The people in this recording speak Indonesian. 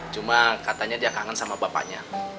cuma katanya dia kangen sama bapaknya